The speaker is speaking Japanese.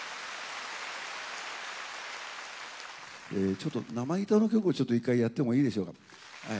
ちょっと生ギターの曲をちょっと一回やってもいいでしょうか？